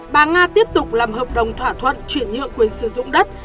bà nga tiếp tục làm hợp đồng thỏa thuận chuyển nhượng quyền sử dụng đất